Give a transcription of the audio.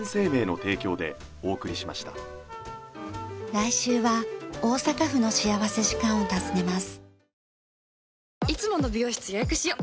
来週は大阪府の幸福時間を訪ねます。